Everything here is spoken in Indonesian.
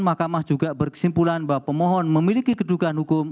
mahkamah juga berkesimpulan bahwa pemohon memiliki kedugaan hukum